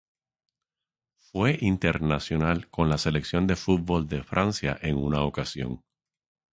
Fue internacional con la selección de fútbol de Francia en una ocasión.